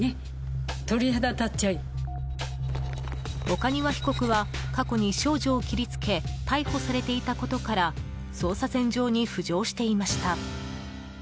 岡庭被告は、過去に少女を切りつけ逮捕されていたことから捜査線上に浮上していました。